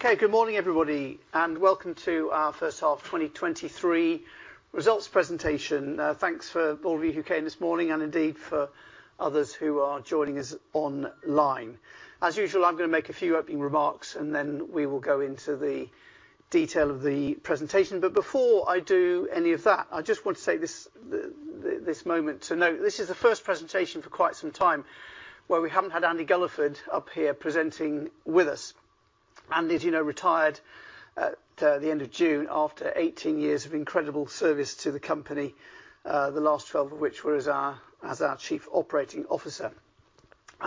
Good morning, everybody, and welcome to our first half 2023 results presentation. Thanks for all of you who came this morning and indeed, for others who are joining us online. As usual, I'm gonna make a few opening remarks. Then we will go into the detail of the presentation. Before I do any of that, I just want to say this moment to note, this is the first presentation for quite some time where we haven't had Andy Gulliford up here presenting with us. Andy, as you know, retired at the end of June, after 18 years of incredible service to the company, the last 12 of which were as our Chief Operating Officer.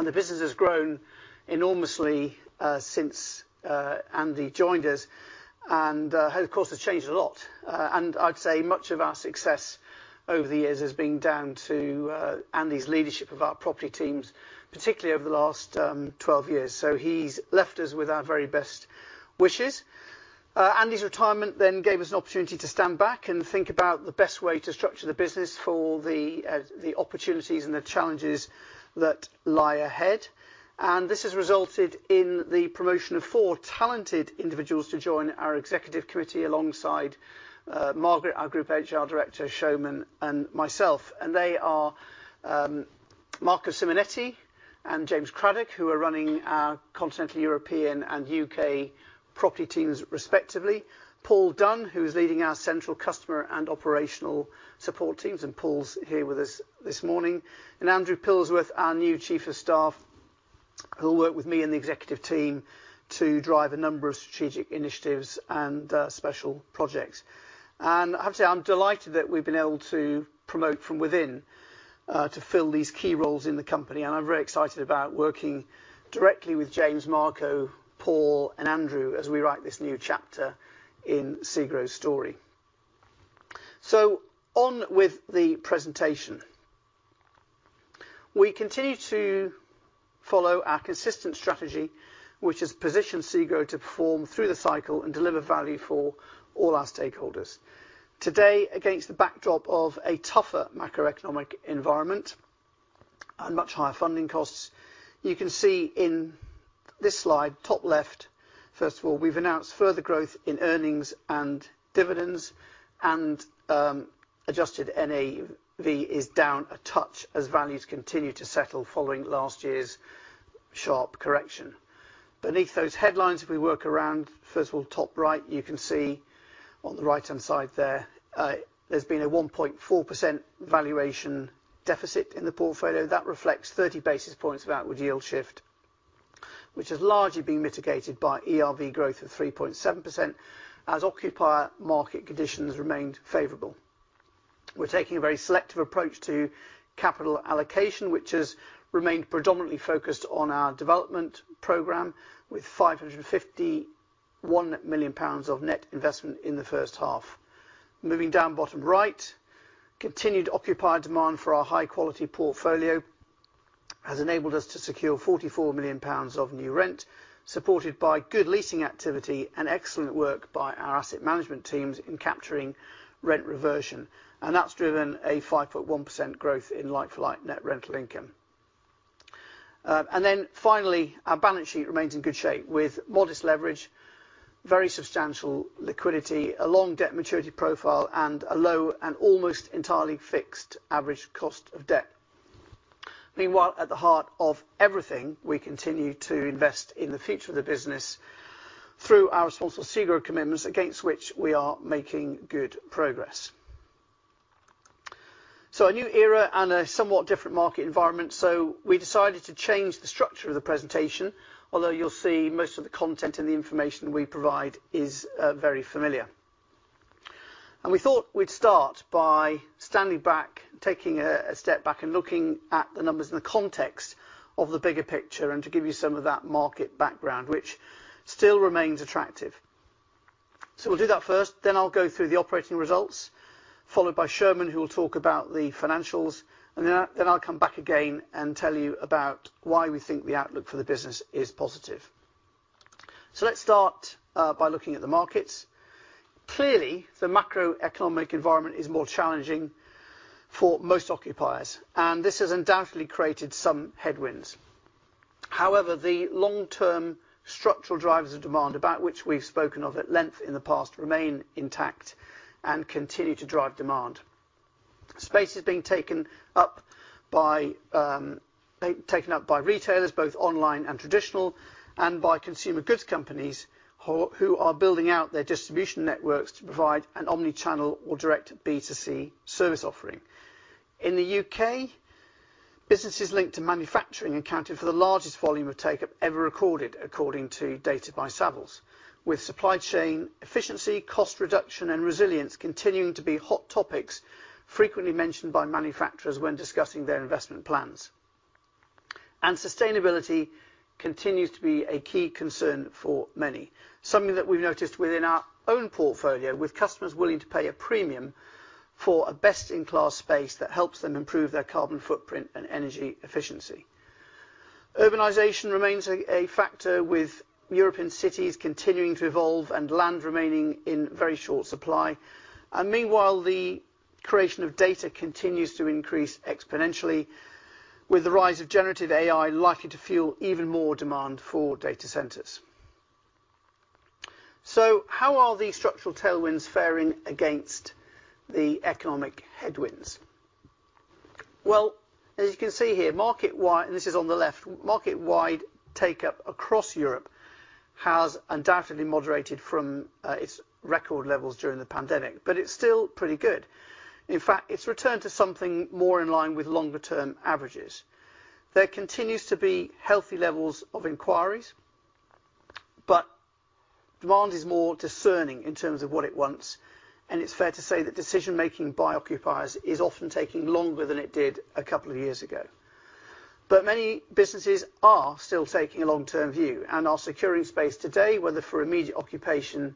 The business has grown enormously since Andy joined us, and, of course, has changed a lot. I'd say much of our success over the years has been down to Andy's leadership of our property teams, particularly over the last 12 years. He's left us with our very best wishes. Andy's retirement gave us an opportunity to stand back and think about the best way to structure the business for the opportunities and the challenges that lie ahead. This has resulted in the promotion of four talented individuals to join our executive committee, alongside Margaret, our group HR Director, Soumen Das, and myself. They are Marco Simonetti and James Craddock, who are running our Continental European and UK property teams, respectively. Paul Dunne, who is leading our central customer and operational support teams, and Paul's here with us this morning, and Andrew Pilsworth, our new Chief of Staff, who will work with me and the executive team to drive a number of strategic initiatives and special projects. I have to say, I'm delighted that we've been able to promote from within to fill these key roles in the company, and I'm very excited about working directly with James, Marco, Paul, and Andrew, as we write this new chapter in SEGRO's story. On with the presentation. We continue to follow our consistent strategy, which has positioned SEGRO to perform through the cycle and deliver value for all our stakeholders. Today, against the backdrop of a tougher macroeconomic environment and much higher funding costs, you can see in this slide, top left, first of all, we've announced further growth in earnings and dividends, and adjusted NAV is down a touch as values continue to settle following last year's sharp correction. Beneath those headlines, if we work around, first of all, top right, you can see on the right-hand side there's been a 1.4% valuation deficit in the portfolio. That reflects 30 basis points of outward yield shift, which has largely been mitigated by ERV growth of 3.7%, as occupier market conditions remained favorable. We're taking a very selective approach to capital allocation, which has remained predominantly focused on our development program, with 551 million pounds of net investment in the first half. Moving down, bottom right, continued occupier demand for our high-quality portfolio has enabled us to secure 44 million pounds of new rent, supported by good leasing activity and excellent work by our asset management teams in capturing rent reversion. That's driven a 5.1% growth in like-for-like net rental income. Finally, our balance sheet remains in good shape with modest leverage, very substantial liquidity, a long debt maturity profile, and a low and almost entirely fixed average cost of debt. Meanwhile, at the heart of everything, we continue to invest in the future of the business through our Responsible SEGRO commitments, against which we are making good progress. A new era and a somewhat different market environment, so we decided to change the structure of the presentation, although you'll see most of the content and the information we provide is very familiar. We thought we'd start by standing back, taking a step back, and looking at the numbers in the context of the bigger picture, and to give you some of that market background, which still remains attractive. We'll do that first, then I'll go through the operating results, followed by Sherman, who will talk about the financials, and then I'll come back again and tell you about why we think the outlook for the business is positive. Let's start by looking at the markets. Clearly, the macroeconomic environment is more challenging for most occupiers, and this has undoubtedly created some headwinds. However, the long-term structural drivers of demand, about which we've spoken of at length in the past, remain intact and continue to drive demand. Space is being taken up by retailers, both online and traditional, and by consumer goods companies, who are building out their distribution networks to provide an omni-channel or direct B2C service offering. In the U.K., businesses linked to manufacturing accounted for the largest volume of takeup ever recorded, according to data by Savills, with supply chain efficiency, cost reduction, and resilience continuing to be hot topics frequently mentioned by manufacturers when discussing their investment plans. Sustainability continues to be a key concern for many, something that we've noticed within our own portfolio, with customers willing to pay a premium for a best-in-class space that helps them improve their carbon footprint and energy efficiency. Urbanization remains a factor, with European cities continuing to evolve and land remaining in very short supply. Meanwhile, the creation of data continues to increase exponentially. With the rise of generative AI likely to fuel even more demand for data centers. How are these structural tailwinds faring against the economic headwinds? Well, as you can see here, market wide, and this is on the left, market-wide take-up across Europe has undoubtedly moderated from its record levels during the pandemic, but it's still pretty good. In fact, it's returned to something more in line with longer-term averages. There continues to be healthy levels of inquiries, but demand is more discerning in terms of what it wants, and it's fair to say that decision-making by occupiers is often taking longer than it did a couple of years ago. Many businesses are still taking a long-term view and are securing space today, whether for immediate occupation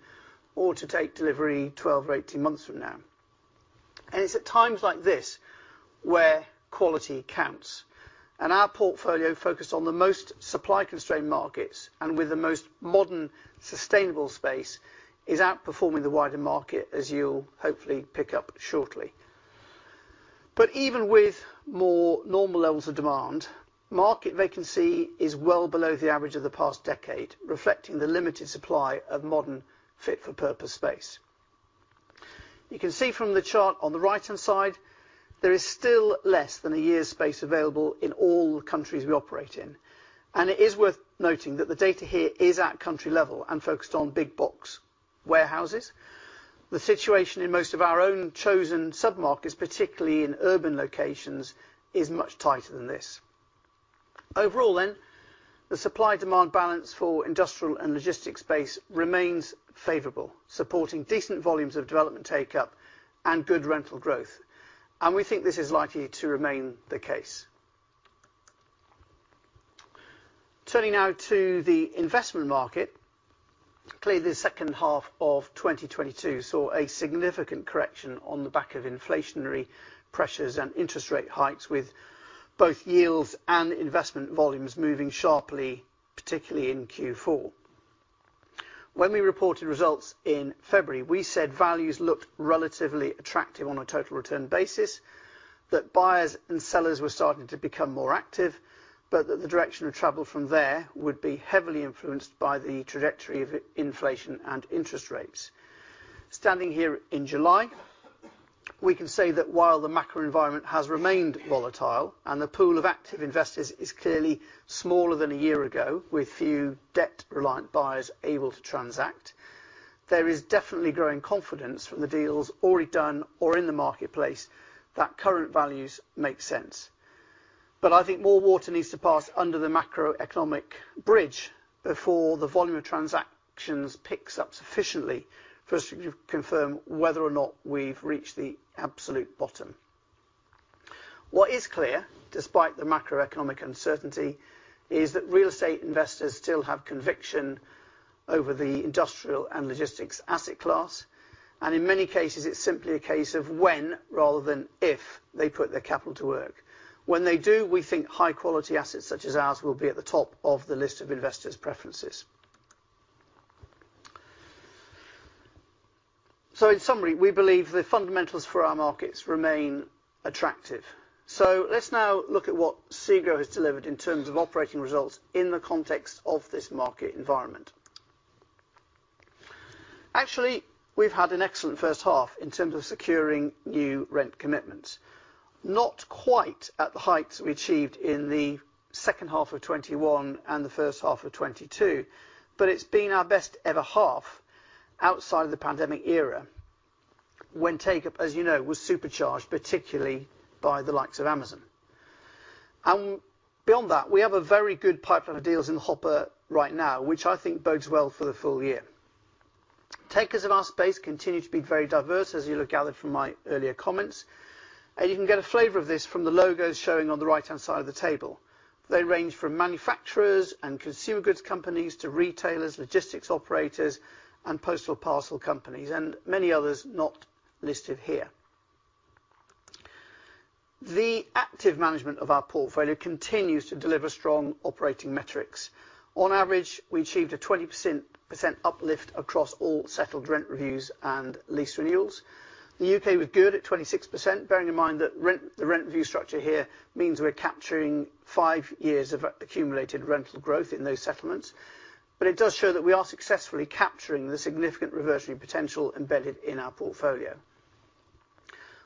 or to take delivery 12 or 18 months from now. It's at times like this, where quality counts, and our portfolio focused on the most supply-constrained markets and with the most modern, sustainable space, is outperforming the wider market, as you'll hopefully pick up shortly. Even with more normal levels of demand, market vacancy is well below the average of the past decade, reflecting the limited supply of modern, fit-for-purpose space. You can see from the chart on the right-hand side, there is still less than one year's space available in all the countries we operate in. It is worth noting that the data here is at country level and focused on big box warehouses. The situation in most of our own chosen submarkets, particularly in urban locations, is much tighter than this. Overall, the supply-demand balance for industrial and logistics space remains favorable, supporting decent volumes of development take-up and good rental growth, and we think this is likely to remain the case. Turning now to the investment market, clearly, the second half of 2022 saw a significant correction on the back of inflationary pressures and interest rate hikes, with both yields and investment volumes moving sharply, particularly in Q4. When we reported results in February, we said values looked relatively attractive on a total return basis, that buyers and sellers were starting to become more active, but that the direction of travel from there would be heavily influenced by the trajectory of inflation and interest rates. Standing here in July, we can say that while the macro environment has remained volatile and the pool of active investors is clearly smaller than a year ago, with few debt-reliant buyers able to transact, there is definitely growing confidence from the deals already done or in the marketplace that current values make sense. I think more water needs to pass under the macroeconomic bridge before the volume of transactions picks up sufficiently for us to confirm whether or not we've reached the absolute bottom. What is clear, despite the macroeconomic uncertainty, is that real estate investors still have conviction over the industrial and logistics asset class, and in many cases, it's simply a case of when rather than if they put their capital to work. When they do, we think high-quality assets such as ours will be at the top of the list of investors' preferences. In summary, we believe the fundamentals for our markets remain attractive. Let's now look at what SEGRO has delivered in terms of operating results in the context of this market environment. Actually, we've had an excellent first half in terms of securing new rent commitments. Not quite at the heights we achieved in the second half of 2021 and the first half of 2022, but it's been our best ever half outside of the pandemic era, when take-up, as you know, was supercharged, particularly by the likes of Amazon. Beyond that, we have a very good pipeline of deals in the hopper right now, which I think bodes well for the full year. Takers of our space continue to be very diverse, as you'll have gathered from my earlier comments. You can get a flavor of this from the logos showing on the right-hand side of the table. They range from manufacturers and consumer goods companies to retailers, logistics operators, and postal parcel companies, and many others not listed here. The active management of our portfolio continues to deliver strong operating metrics. On average, we achieved a 20% uplift across all settled rent reviews and lease renewals. The UK was good at 26%, bearing in mind that the rent review structure here means we're capturing 5 years of accumulated rental growth in those settlements. It does show that we are successfully capturing the significant reversionary potential embedded in our portfolio.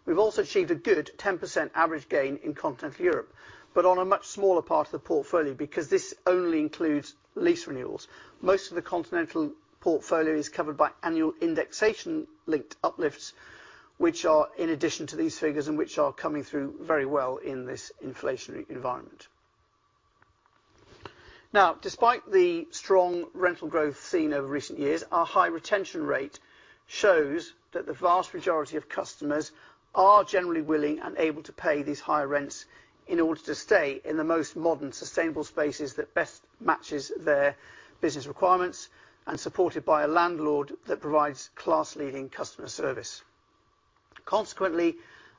We've also achieved a good 10% average gain in continental Europe, but on a much smaller part of the portfolio, because this only includes lease renewals. Most of the continental portfolio is covered by annual indexation-linked uplifts, which are in addition to these figures and which are coming through very well in this inflationary environment. Now, despite the strong rental growth seen over recent years, our high retention rate shows that the vast majority of customers are generally willing and able to pay these higher rents in order to stay in the most modern, sustainable spaces that best matches their business requirements and supported by a landlord that provides class-leading customer service.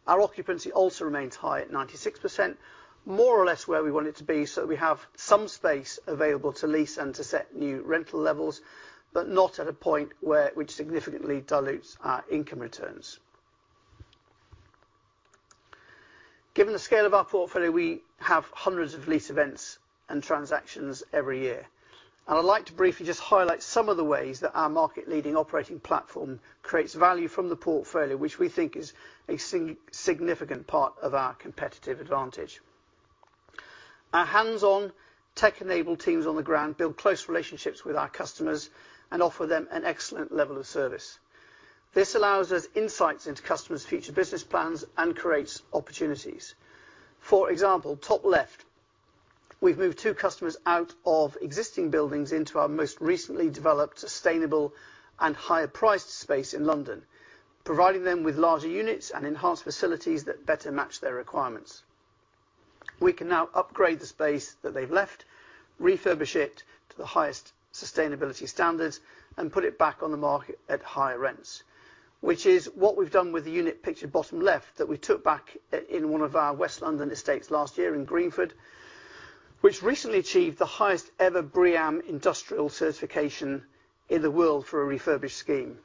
Our occupancy also remains high at 96%, more or less where we want it to be. We have some space available to lease and to set new rental levels, not at a point which significantly dilutes our income returns. Given the scale of our portfolio, we have hundreds of lease events and transactions every year. I'd like to briefly just highlight some of the ways that our market-leading operating platform creates value from the portfolio, which we think is a significant part of our competitive advantage. Our hands-on, tech-enabled teams on the ground build close relationships with our customers and offer them an excellent level of service. This allows us insights into customers' future business plans and creates opportunities. For example, top left, we've moved 2 customers out of existing buildings into our most recently developed, sustainable, and higher-priced space in London, providing them with larger units and enhanced facilities that better match their requirements. We can now upgrade the space that they've left, refurbish it to the highest sustainability standards, and put it back on the market at higher rents, which is what we've done with the unit pictured bottom left, that we took back in one of our West London estates last year in Greenford, which recently achieved the highest ever BREEAM Industrial certification in the world for a refurbished scheme.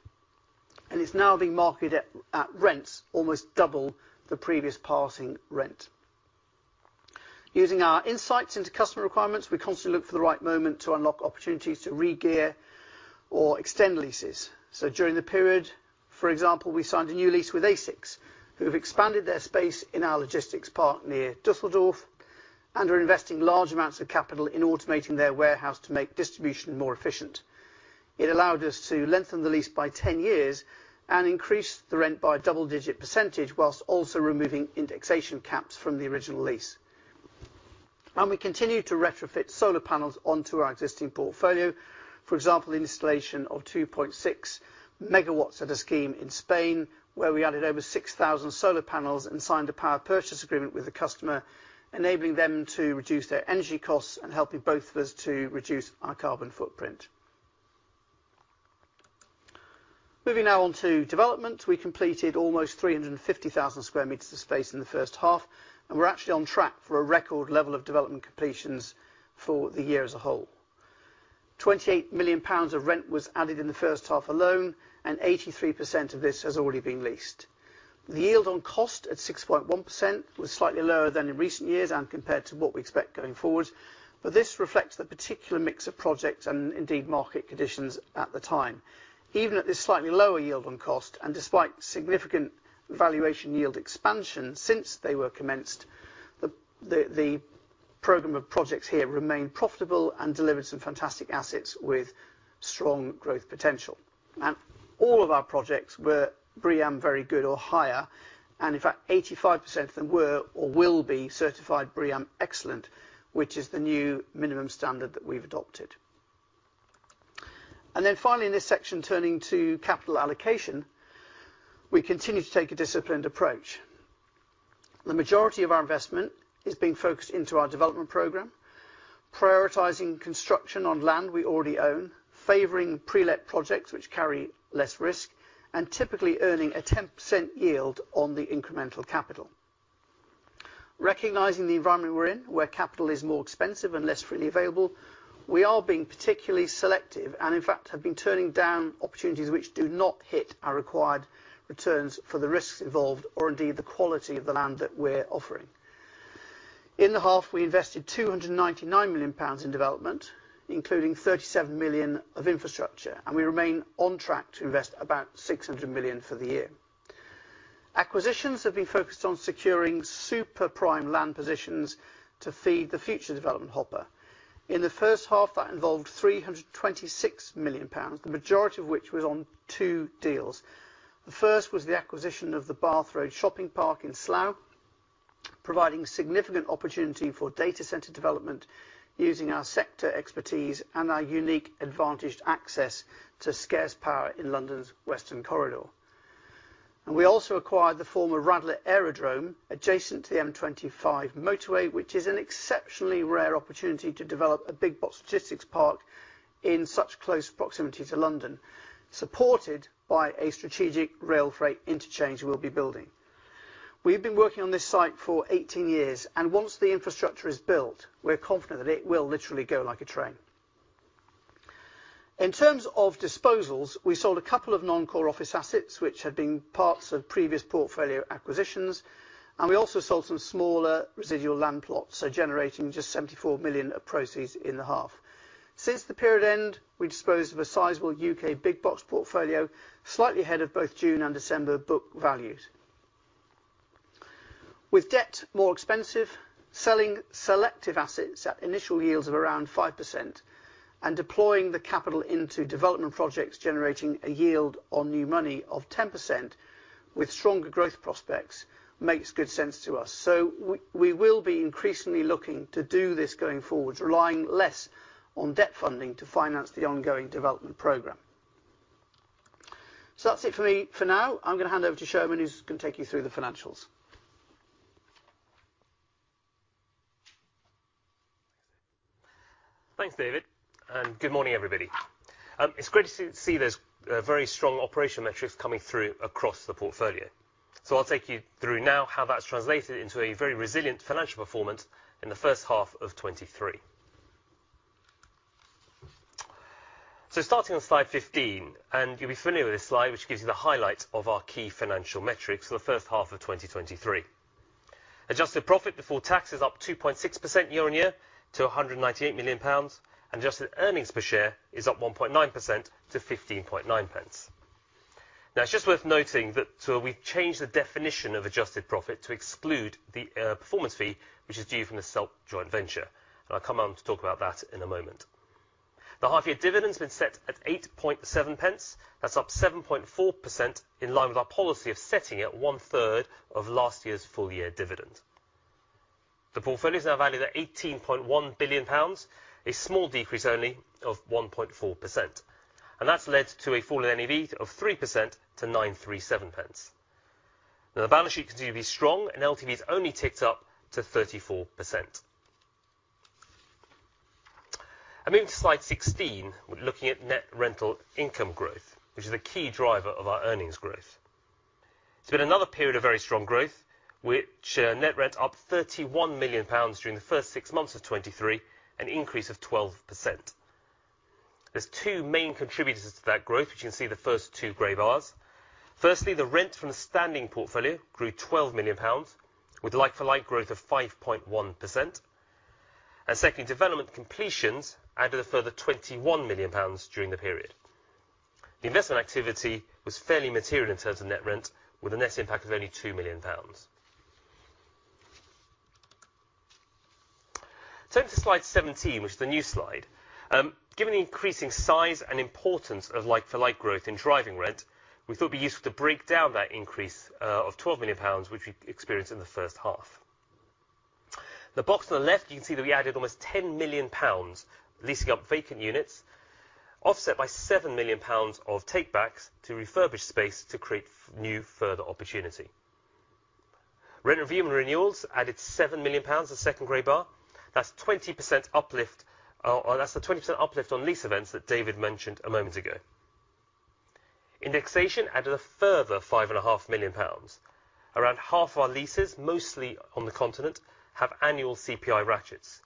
It's now being marketed at rents almost double the previous passing rent. Using our insights into customer requirements, we constantly look for the right moment to unlock opportunities to regear or extend leases. During the period, for example, we signed a new lease with ASICS, who have expanded their space in our logistics park near Düsseldorf and are investing large amounts of capital in automating their warehouse to make distribution more efficient. It allowed us to lengthen the lease by 10 years and increase the rent by a double-digit %, while also removing indexation caps from the original lease. We continue to retrofit solar panels onto our existing portfolio. For example, the installation of 2.6 MW at a scheme in Spain, where we added over 6,000 solar panels and signed a power purchase agreement with the customer, enabling them to reduce their energy costs and helping both of us to reduce our carbon footprint. Moving now on to development. We completed almost 350,000 square meters of space in the first half, we're actually on track for a record level of development completions for the year as a whole. 28 million pounds of rent was added in the first half alone, 83% of this has already been leased. The yield on cost at 6.1% was slightly lower than in recent years and compared to what we expect going forward, this reflects the particular mix of projects and indeed, market conditions at the time. Even at this slightly lower yield on cost, despite significant valuation yield expansion since they were commenced, the program of projects here remained profitable and delivered some fantastic assets with strong growth potential. All of our projects were BREEAM Very Good or higher, in fact, 85% of them were or will be certified BREEAM Excellent, which is the new minimum standard that we've adopted. Finally, in this section, turning to capital allocation, we continue to take a disciplined approach. The majority of our investment is being focused into our development program, prioritizing construction on land we already own, favoring prelet projects which carry less risk, and typically earning a 10% yield on the incremental capital. Recognizing the environment we're in, where capital is more expensive and less freely available, we are being particularly selective and, in fact, have been turning down opportunities which do not hit our required returns for the risks involved or, indeed, the quality of the land that we're offering. In the half, we invested 299 million pounds in development, including 37 million of infrastructure, and we remain on track to invest about 600 million for the year. Acquisitions have been focused on securing super prime land positions to feed the future development hopper. In the first half, that involved 326 million pounds, the majority of which was on two deals. The first was the acquisition of the Bath Road Shopping Park in Slough, providing significant opportunity for data center development using our sector expertise and our unique advantaged access to scarce power in London's Western Corridor. We also acquired the former Radlett Aerodrome, adjacent to the M25 motorway, which is an exceptionally rare opportunity to develop a big box logistics park in such close proximity to London, supported by a strategic rail freight interchange we'll be building. We've been working on this site for 18 years, and once the infrastructure is built, we're confident that it will literally go like a train. In terms of disposals, we sold a couple of non-core office assets, which had been parts of previous portfolio acquisitions, and we also sold some smaller residual land plots, so generating just 74 million of proceeds in the half. Since the period end, we disposed of a sizable UK big box portfolio, slightly ahead of both June and December book values. With debt more expensive, selling selective assets at initial yields of around 5% and deploying the capital into development projects, generating a yield on new money of 10% with stronger growth prospects, makes good sense to us. We will be increasingly looking to do this going forward, relying less on debt funding to finance the ongoing development program. That's it for me for now. I'm going to hand over to Soumen Das, who's going to take you through the financials. Thanks, David. Good morning, everybody. It's great to see there's very strong operational metrics coming through across the portfolio. I'll take you through now how that's translated into a very resilient financial performance in the first half of 2023. Starting on slide 15, you'll be familiar with this slide, which gives you the highlights of our key financial metrics for the first half of 2023. Adjusted profit before tax is up 2.6% year-on-year to 198 million pounds, adjusted earnings per share is up 1.9% -15.9 pence. Now, it's just worth noting that we've changed the definition of adjusted profit to exclude the performance fee, which is due from the SELP joint venture. I'll come on to talk about that in a moment. The half year dividend's been set at 8.7 pence. That's up 7.4%, in line with our policy of setting it at one third of last year's full year dividend. The portfolio is now valued at 18.1 billion pounds, a small decrease only of 1.4%. That's led to a fall in NAV of 3% to 937 pence. Now, the balance sheet continues to be strong. LTV has only ticked up to 34%. Moving to slide 16, we're looking at net rental income growth, which is a key driver of our earnings growth. It's been another period of very strong growth, which net rent up 31 million pounds during the first six months of 2023, an increase of 12%. There's two main contributors to that growth, which you can see the first two gray bars. Firstly, the rent from the standing portfolio grew 12 million pounds, with like-for-like growth of 5.1%. Second, development completions added a further 21 million pounds during the period. The investment activity was fairly material in terms of net rent, with a net impact of only 2 million pounds. Turning to slide 17, which is the new slide. Given the increasing size and importance of like-for-like growth in driving rent, we thought it'd be useful to break down that increase of 12 million pounds, which we experienced in the first half. The box on the left, you can see that we added almost 10 million pounds, leasing up vacant units, offset by 7 million pounds of takebacks to refurbish space to create new further opportunity. Rent review and renewals added 7 million pounds, the second gray bar. That's 20% uplift, or that's the 20% uplift on lease events that David mentioned a moment ago. Indexation added a further 5.5 million pounds. Around half of our leases, mostly on the continent, have annual CPI ratchets.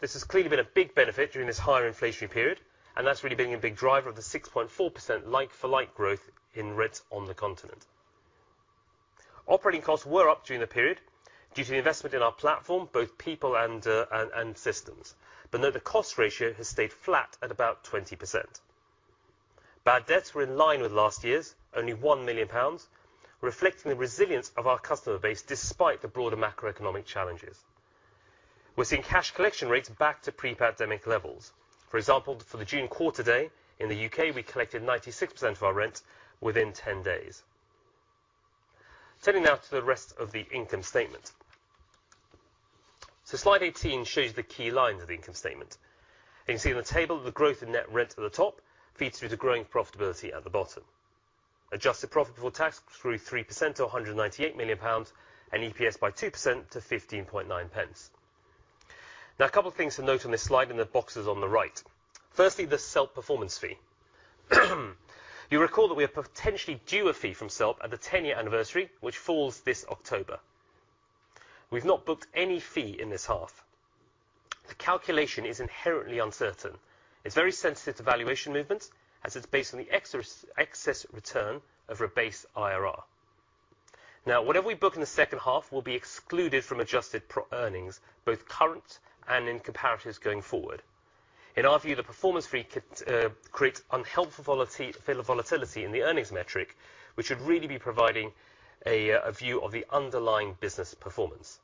This has clearly been a big benefit during this higher inflationary period, and that's really been a big driver of the 6.4% like-for-like growth in rents on the continent. Operating costs were up during the period due to the investment in our platform, both people and systems, but note the cost ratio has stayed flat at about 20%. Bad debts were in line with last year's, only 1 million pounds, reflecting the resilience of our customer base despite the broader macroeconomic challenges. We're seeing cash collection rates back to pre-pandemic levels. For example, for the June quarter day, in the U.K., we collected 96% of our rent within 10 days. Turning now to the rest of the income statement. Slide 18 shows the key lines of the income statement. You can see on the table, the growth in net rent at the top feeds through to growing profitability at the bottom. Adjusted profit before tax grew 3% to 198 million pounds and EPS by 2%-15.9 pence. Now, a couple of things to note on this slide in the boxes on the right. Firstly, the SELP performance fee. You recall that we are potentially due a fee from SELP at the 10-year anniversary, which falls this October. We've not booked any fee in this half. The calculation is inherently uncertain. It's very sensitive to valuation movements, as it's based on the excess return of a base IRR. Whatever we book in the second half will be excluded from adjusted pro earnings, both current and in comparatives going forward. In our view, the performance fee could create unhelpful volatility, feel of volatility in the earnings metric, which would really be providing a view of the underlying business performance.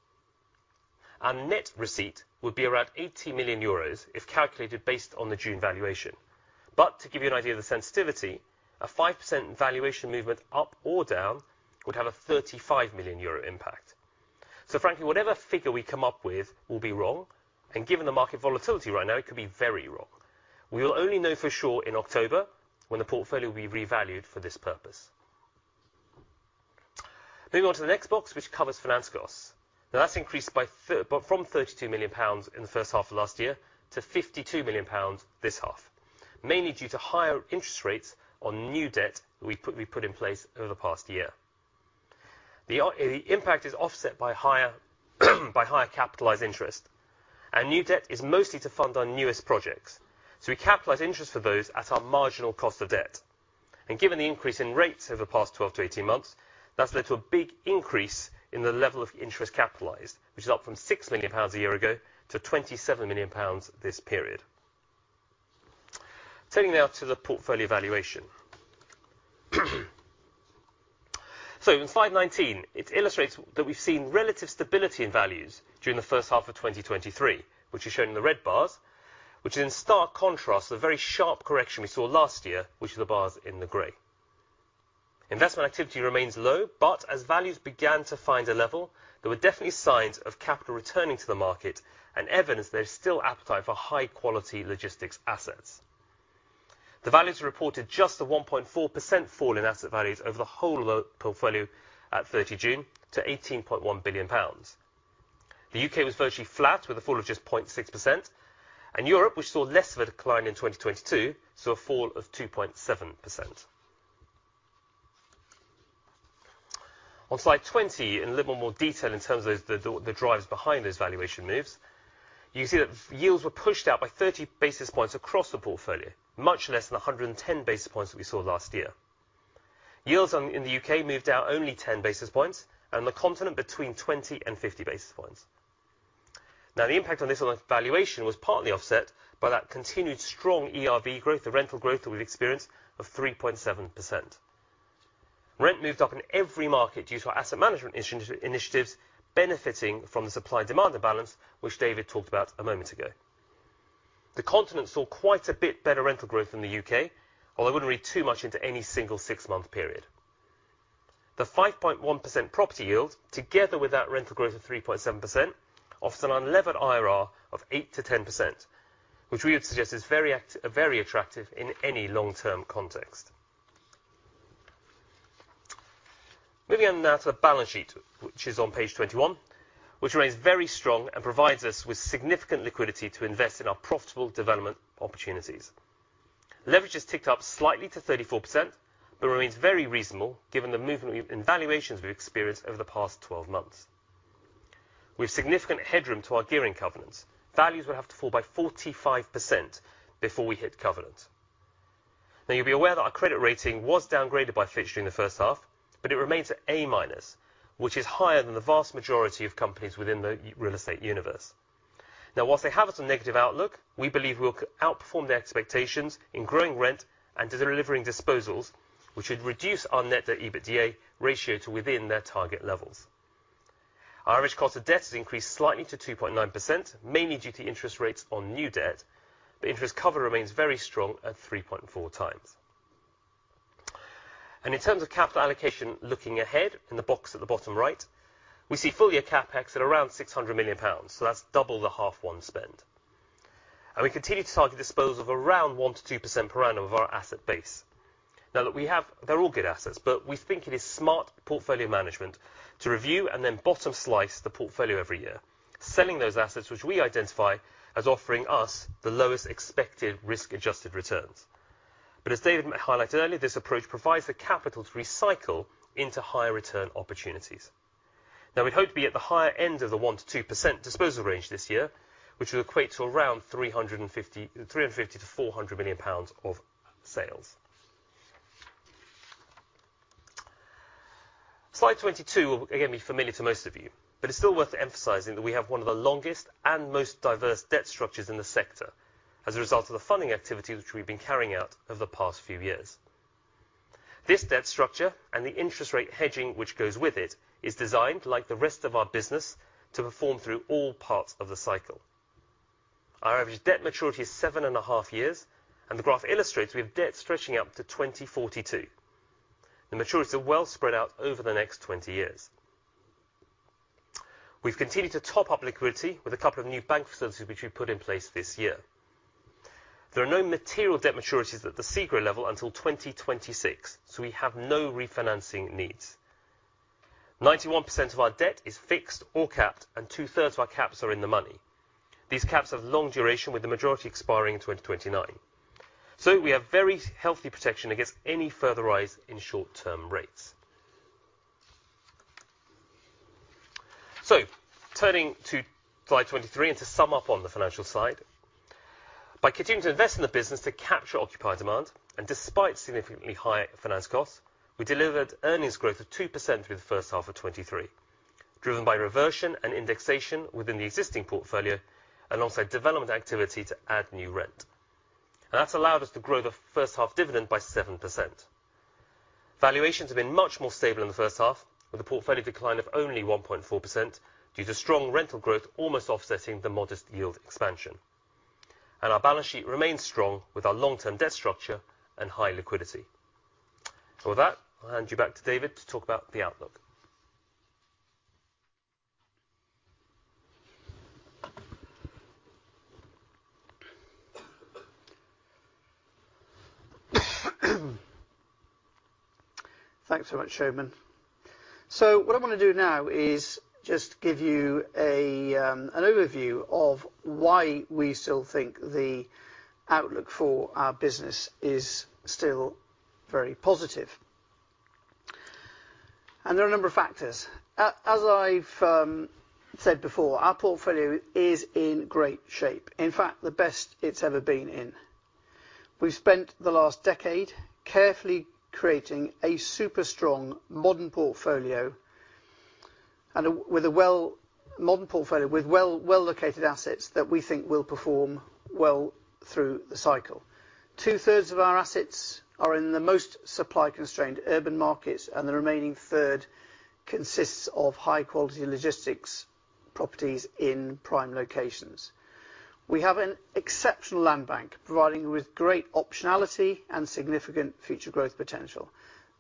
Our net receipt would be around 80 million euros if calculated based on the June valuation. To give you an idea of the sensitivity, a 5% valuation movement up or down would have a 35 million euro impact. Frankly, whatever figure we come up with will be wrong, and given the market volatility right now, it could be very wrong. We will only know for sure in October, when the portfolio will be revalued for this purpose. Moving on to the next box, which covers financial costs. That's increased by from 32 million pounds in the first half of last year to 52 million pounds this half, mainly due to higher interest rates on new debt we put in place over the past year. The impact is offset by higher capitalized interest. New debt is mostly to fund our newest projects. We capitalize interest for those at our marginal cost of debt. Given the increase in rates over the past 12-18 months, that's led to a big increase in the level of interest capitalized, which is up from 6 million pounds a year ago to 27 million pounds this period. Turning now to the portfolio valuation. In slide 19, it illustrates that we've seen relative stability in values during the first half of 2023, which is shown in the red bars, which is in stark contrast to the very sharp correction we saw last year, which are the bars in the gray. Investment activity remains low, but as values began to find a level, there were definitely signs of capital returning to the market and evidence there's still appetite for high-quality logistics assets. The values reported just a 1.4% fall in asset values over the whole of the portfolio at 30 June to 18.1 billion pounds. The UK was virtually flat, with a fall of just 0.6%, and Europe, which saw less of a decline in 2022, saw a fall of 2.7%. On slide 20, in a little more detail in terms of the drivers behind those valuation moves, you can see that yields were pushed out by 30 basis points across the portfolio, much less than the 110 basis points that we saw last year. Yields on, in the UK moved out only 10 basis points, and the continent between 20 and 50 basis points. The impact on this on the valuation was partly offset by that continued strong ERV growth, the rental growth that we've experienced of 3.7%. Rent moved up in every market due to our asset management initiatives, benefiting from the supply and demand balance, which David talked about a moment ago. The continent saw quite a bit better rental growth in the UK, although I wouldn't read too much into any single six-month period. The 5.1% property yield, together with that rental growth of 3.7%, offers an unlevered IRR of 8%-10%, which we would suggest is very attractive in any long-term context. Moving on now to the balance sheet, which is on page 21, which remains very strong and provides us with significant liquidity to invest in our profitable development opportunities. Leverage has ticked up slightly to 34%, but remains very reasonable given the movement in valuations we've experienced over the past 12 months. With significant headroom to our gearing covenants, values will have to fall by 45% before we hit covenant. You'll be aware that our credit rating was downgraded by Fitch during the first half, but it remains at A minus, which is higher than the vast majority of companies within the real estate universe. Now, whilst they have us on negative outlook, we believe we'll outperform their expectations in growing rent and delivering disposals, which would reduce our net to EBITDA ratio to within their target levels. Our average cost of debt has increased slightly to 2.9%, mainly due to interest rates on new debt, but interest cover remains very strong at 3.4x. In terms of capital allocation, looking ahead, in the box at the bottom right, we see full-year CapEx at around 600 million pounds, that's double the half one spend. We continue to target disposal of around 1%-2% per annum of our asset base. Look, they're all good assets, but we think it is smart portfolio management to review and then bottom slice the portfolio every year, selling those assets which we identify as offering us the lowest expected risk-adjusted returns. As David highlighted earlier, this approach provides the capital to recycle into higher return opportunities. We'd hope to be at the higher end of the 1%-2% disposal range this year, which would equate to around 350 million-400 million pounds of sales. Slide 22 will, again, be familiar to most of you, it's still worth emphasizing that we have one of the longest and most diverse debt structures in the sector as a result of the funding activity which we've been carrying out over the past few years. This debt structure, and the interest rate hedging which goes with it, is designed, like the rest of our business, to perform through all parts of the cycle. Our average debt maturity is seven and a half years, and the graph illustrates we have debt stretching out to 2042. The maturities are well spread out over the next 20 years. We've continued to top up liquidity with a couple of new bank facilities which we put in place this year. There are no material debt maturities at the SEGRO level until 2026, so we have no refinancing needs. 91% of our debt is fixed or capped, and two-thirds of our caps are in the money. These caps have long duration, with the majority expiring in 2029. We have very healthy protection against any further rise in short-term rates. Turning to slide 23, and to sum up on the financial side. By continuing to invest in the business to capture occupied demand, and despite significantly higher finance costs, we delivered earnings growth of 2% through the first half of 2023, driven by reversion and indexation within the existing portfolio, alongside development activity to add new rent. That's allowed us to grow the first half dividend by 7%. Valuations have been much more stable in the first half, with a portfolio decline of only 1.4% due to strong rental growth, almost offsetting the modest yield expansion. Our balance sheet remains strong, with our long-term debt structure and high liquidity. With that, I'll hand you back to David to talk about the outlook. Thanks so much, Operator. What I want to do now is just give you an overview of why we still think the outlook for our business is still very positive. There are a number of factors. As I've said before, our portfolio is in great shape. In fact, the best it's ever been in. We've spent the last decade carefully creating a super strong, modern portfolio and modern portfolio, with well-located assets that we think will perform well through the cycle. Two-thirds of our assets are in the most supply-constrained urban markets, the remaining third consists of high-quality logistics properties in prime locations. We have an exceptional land bank, providing with great optionality and significant future growth potential.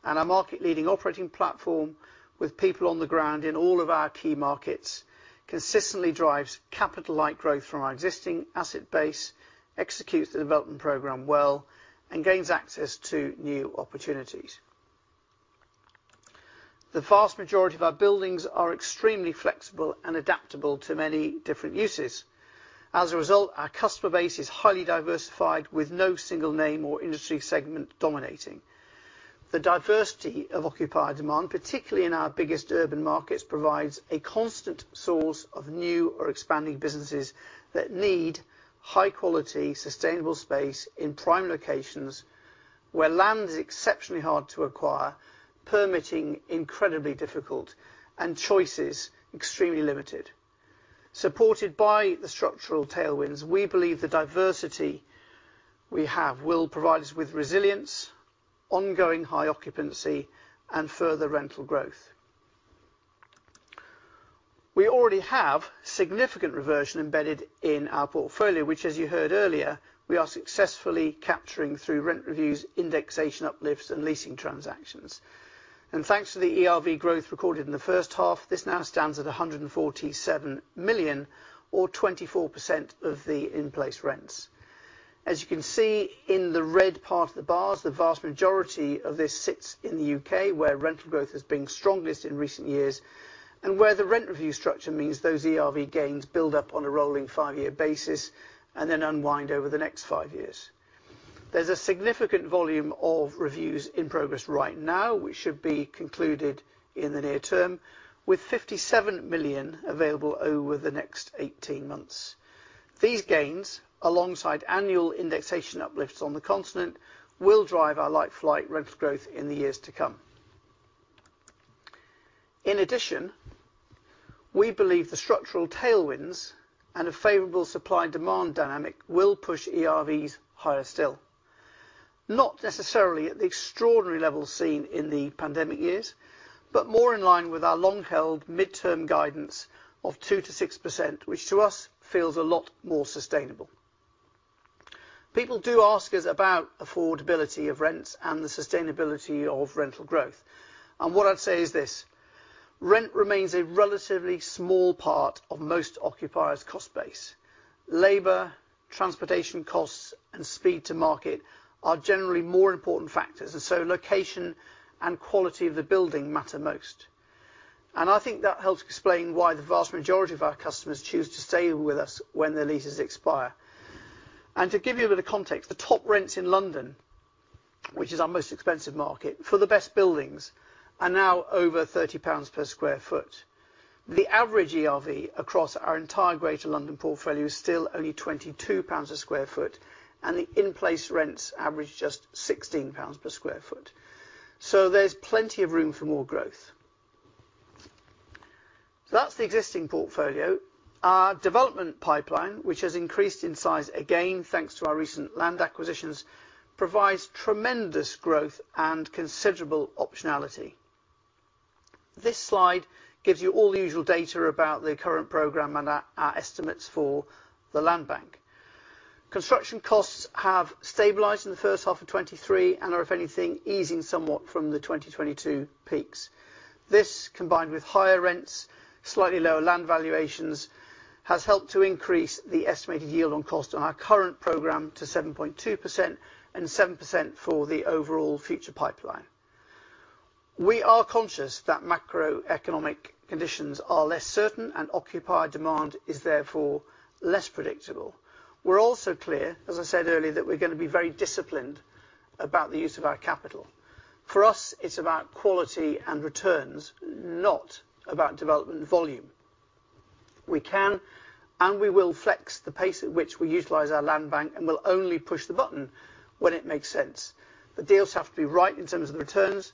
Our market-leading operating platform with people on the ground in all of our key markets, consistently drives capital-light growth from our existing asset base, executes the development program well, and gains access to new opportunities. The vast majority of our buildings are extremely flexible and adaptable to many different uses. As a result, our customer base is highly diversified, with no single name or industry segment dominating. The diversity of occupier demand, particularly in our biggest urban markets, provides a constant source of new or expanding businesses that need high quality, sustainable space in prime locations, where land is exceptionally hard to acquire, permitting incredibly difficult, and choices extremely limited. Supported by the structural tailwinds, we believe the diversity we have will provide us with resilience, ongoing high occupancy, and further rental growth. We already have significant reversion embedded in our portfolio, which, as you heard earlier, we are successfully capturing through rent reviews, indexation uplifts, and leasing transactions. Thanks to the ERV growth recorded in the first half, this now stands at 147 million, or 24% of the in-place rents. As you can see in the red part of the bars, the vast majority of this sits in the UK, where rental growth has been strongest in recent years, where the rent review structure means those ERV gains build up on a rolling five-year basis and then unwind over the next five years. There's a significant volume of reviews in progress right now, which should be concluded in the near term, with 57 million available over the next 18 months. These gains, alongside annual indexation uplifts on the continent, will drive our like-for-like rental growth in the years to come. In addition, we believe the structural tailwinds and a favorable supply and demand dynamic will push ERVs higher still, not necessarily at the extraordinary levels seen in the pandemic years, but more in line with our long-held midterm guidance of 2%-6%, which to us feels a lot more sustainable. People do ask us about affordability of rents and the sustainability of rental growth. What I'd say is this: rent remains a relatively small part of most occupiers' cost base. Labor, transportation costs, and speed to market are generally more important factors, and so location and quality of the building matter most. I think that helps explain why the vast majority of our customers choose to stay with us when their leases expire. To give you a bit of context, the top rents in London, which is our most expensive market, for the best buildings, are now over 30 pounds per sq ft. The average ERV across our entire Greater London portfolio is still only 22 pounds per sq ft, and the in-place rents average just 16 pounds per sq ft. There's plenty of room for more growth. That's the existing portfolio. Our development pipeline, which has increased in size again, thanks to our recent land acquisitions, provides tremendous growth and considerable optionality. This slide gives you all the usual data about the current program and our estimates for the land bank. Construction costs have stabilized in the first half of 2023 and are, if anything, easing somewhat from the 2022 peaks. This, combined with higher rents, slightly lower land valuations, has helped to increase the estimated yield on cost on our current program to 7.2% and 7% for the overall future pipeline. We are conscious that macroeconomic conditions are less certain, occupier demand is therefore less predictable. We're also clear, as I said earlier, that we're going to be very disciplined about the use of our capital. For us, it's about quality and returns, not about development volume. We can, and we will flex the pace at which we utilize our land bank, and we'll only push the button when it makes sense. The deals have to be right in terms of the returns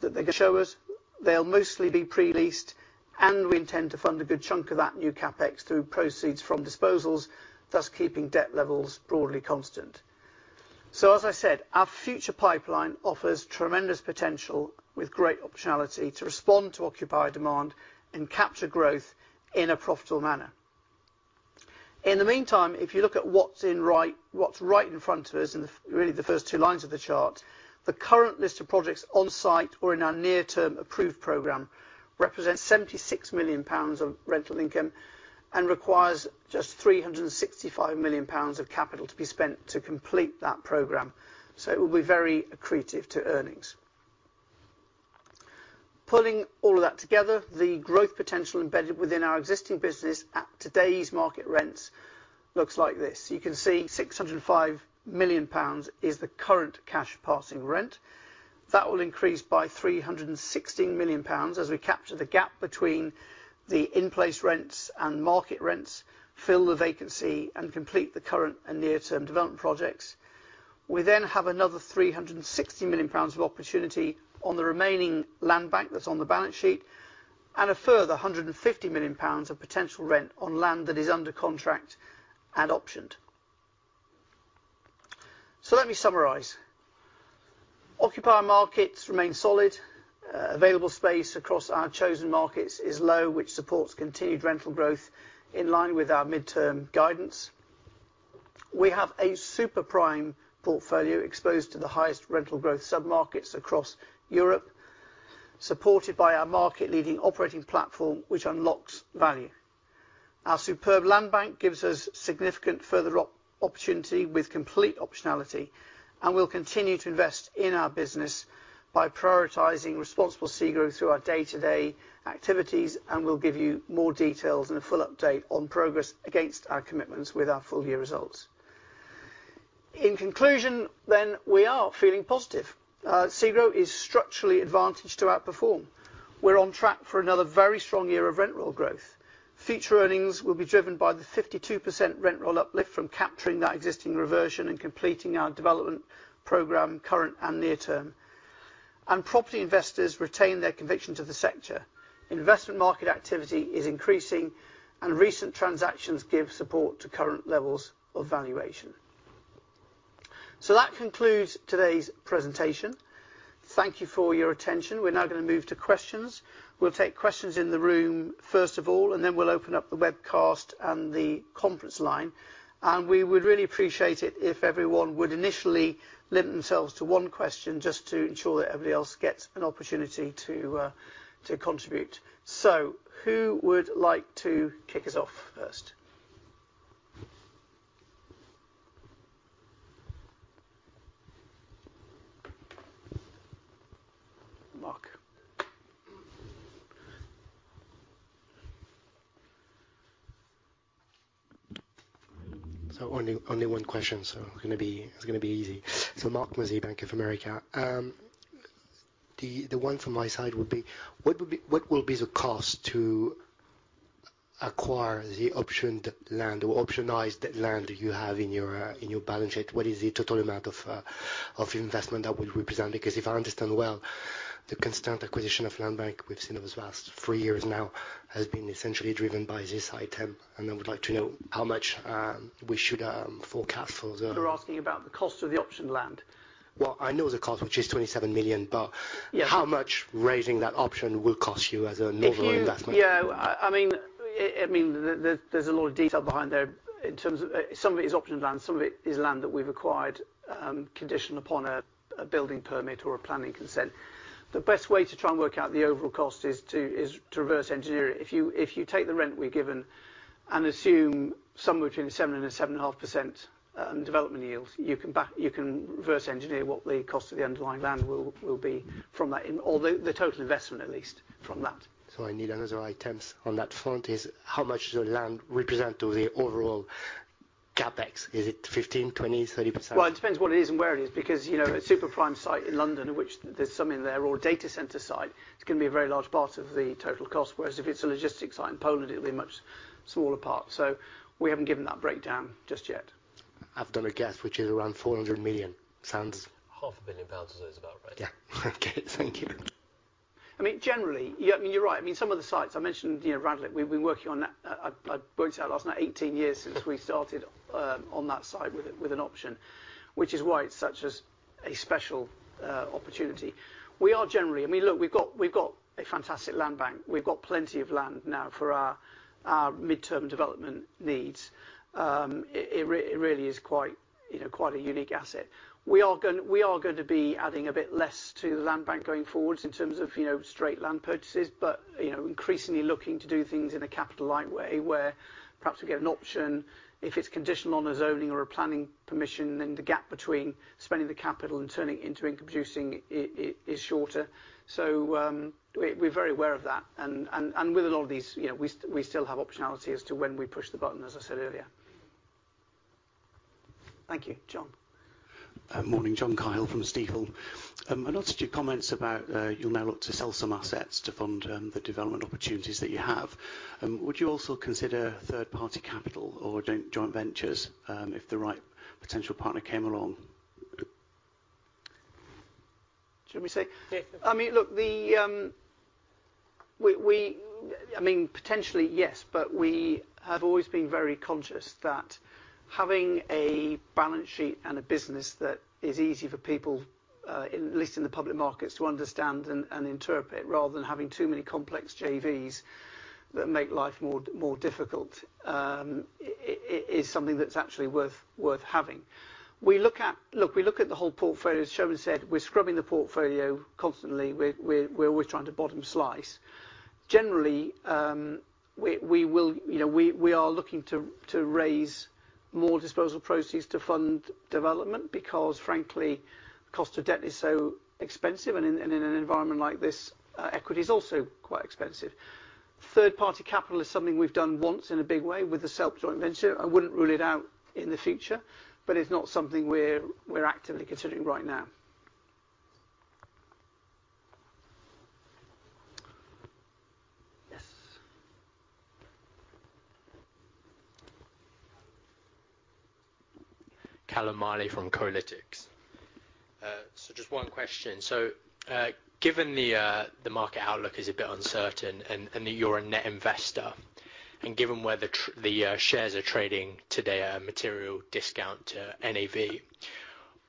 that they can show us. They'll mostly be pre-leased, and we intend to fund a good chunk of that new CapEx through proceeds from disposals, thus keeping debt levels broadly constant. As I said, our future pipeline offers tremendous potential with great optionality to respond to occupier demand and capture growth in a profitable manner. In the meantime, if you look at what's right in front of us, and really the first two lines of the chart, the current list of projects on site or in our near-term approved program represents 76 million pounds of rental income and requires just 365 million pounds of capital to be spent to complete that program. It will be very accretive to earnings. Pulling all of that together, the growth potential embedded within our existing business at today's market rents looks like this. You can see 605 million pounds is the current cash passing rent. That will increase by 316 million pounds as we capture the gap between the in-place rents and market rents, fill the vacancy, and complete the current and near-term development projects. We have another 360 million pounds of opportunity on the remaining land bank that's on the balance sheet, and a further 150 million pounds of potential rent on land that is under contract and optioned. Let me summarize. Occupier markets remain solid. Available space across our chosen markets is low, which supports continued rental growth in line with our midterm guidance. We have a super prime portfolio exposed to the highest rental growth submarkets across Europe, supported by our market-leading operating platform, which unlocks value. Our superb land bank gives us significant further opportunity with complete optionality, and we'll continue to invest in our business by prioritizing Responsible SEGRO through our day-to-day activities, and we'll give you more details and a full update on progress against our commitments with our full year results. In conclusion, we are feeling positive. SEGRO is structurally advantaged to outperform. We're on track for another very strong year of rent roll growth. Future earnings will be driven by the 52% rent roll uplift from capturing that existing reversion and completing our development program, current and near term. Property investors retain their conviction to the sector. Investment market activity is increasing, and recent transactions give support to current levels of valuation. That concludes today's presentation. Thank you for your attention. We're now gonna move to questions. We'll take questions in the room, first of all, and then we'll open up the webcast and the conference line. We would really appreciate it if everyone would initially limit themselves to one question, just to ensure that everybody else gets an opportunity to contribute. Who would like to kick us off first? Marc. Only one question, it's gonna be easy. Marc Mozzi, Bank of America. The one from my side would be: What will be the cost to acquire the optioned land or optionized land you have in your balance sheet? What is the total amount of investment that would represent? Because if I understand well, the constant acquisition of land bank we've seen over the last three years now, has been essentially driven by this item, and I would like to know how much we should forecast. You're asking about the cost of the optioned land? I know the cost, which is 27 million. Yeah. How much raising that option will cost you as an overall investment? Yeah, I mean, it, I mean, there's a lot of detail behind there in terms of, some of it is optioned land, some of it is land that we've acquired, conditioned upon a building permit or a planning consent. The best way to try and work out the overall cost is to reverse engineer it. If you, if you take the rent we're given and assume somewhere between 7 and 7.5% development yields, you can reverse engineer what the cost of the underlying land will be from that, in all the total investment, at least from that. I need another items on that front is: How much does the land represent to the overall CapEx? Is it 15%, 20%, 30%? Well, it depends what it is and where it is, because, you know, a super prime site in London, which there's some in there, or a data center site, it's gonna be a very large part of the total cost. Whereas if it's a logistics site in Poland, it'll be a much smaller part. We haven't given that breakdown just yet. I've done a guess, which is around 400 million. Sounds- Half a billion pounds is about right. Yeah. Okay. Thank you. I mean, generally, yeah, I mean, you're right. I mean, some of the sites I mentioned, you know, Radlett, we've been working on that, I worked out last night, 18 years since we started on that site with an option, which is why it's such as a special opportunity. We are generally... I mean, look, we've got a fantastic land bank. We've got plenty of land now for our midterm development needs. It really is quite, you know, quite a unique asset. We are going to be adding a bit less to the land bank going forwards in terms of, you know, straight land purchases, but, you know, increasingly looking to do things in a capital light way, where perhaps we get an option. If it's conditional on a zoning or a planning permission, then the gap between spending the capital and turning it into producing, is shorter. We're very aware of that, and with a lot of these, you know, we still have optionality as to when we push the button, as I said earlier. Thank you. John. Morning, Jonathan Mahan from Stifel. I noticed your comments about you'll now look to sell some assets to fund the development opportunities that you have. Would you also consider third-party capital or joint ventures if the right potential partner came along? Should we say? Yeah. I mean, look, the, I mean potentially, yes, but we have always been very conscious that having a balance sheet and a business that is easy for people, at least in the public markets, to understand and interpret, rather than having too many complex JVs that make life more difficult, is something that's actually worth having. Look, we look at the whole portfolio. As Soumen Das said, we're scrubbing the portfolio constantly. We're always trying to bottom slice. Generally, we will, you know, we are looking to raise more disposal proceeds to fund development because frankly, the cost of debt is so expensive, and in an environment like this, equity is also quite expensive. Third-party capital is something we've done once in a big way with the SELP joint venture. I wouldn't rule it out in the future, but it's not something we're actively considering right now. Yes. Calum Battersby from Berenberg. Just 1 question: given the market outlook is a bit uncertain and that you're a net investor, and given where the shares are trading today, a material discount to NAV,